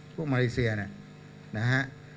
พวกมาเลเซียนะ